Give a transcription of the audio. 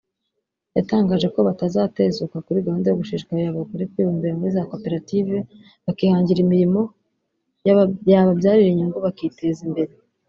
yatangaje ko batazatezuka kuri gahunda yo gushishikariza abagore kwibumbira muri za koperative bakihangira imirimo yababyarira inyungu bakiteza imbere